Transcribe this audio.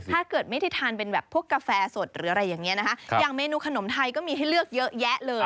ถ้าเกิดไม่ได้ทานเป็นแบบพวกกาแฟสดหรืออะไรอย่างนี้นะคะอย่างเมนูขนมไทยก็มีให้เลือกเยอะแยะเลย